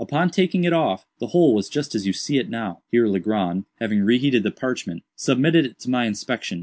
Upon taking it off, the whole was just as you see it now." Here Legrand, having re heated the parchment, submitted it to my inspection.